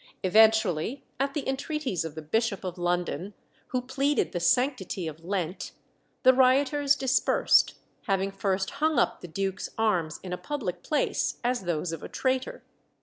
Eventually, at the entreaties of the Bishop of London, who pleaded the sanctity of Lent, the rioters dispersed, having first hung up the duke's arms in a public place as those of a traitor.